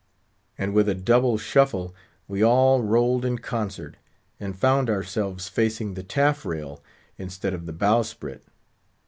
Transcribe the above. _" and, with a double shuffle, we all rolled in concert, and found ourselves facing the taffrail instead of the bowsprit.